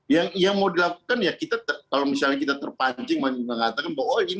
yang mau dilakukan kalau misalnya kita terpancing mengatakan bahwa